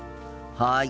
はい。